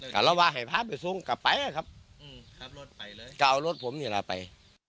การว่าให้พาไปส่งกลับไปอะครับขับรถไปเลยก็เอารถผมนี่แหละไป